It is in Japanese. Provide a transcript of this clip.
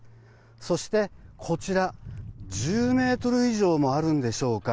そしてこちら、１０ｍ以上もあるんでしょうか。